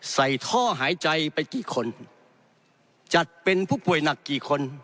ใส่ท่อหายใจไปกี่คนจัดเป็นผู้ป่วยหนักกี่คน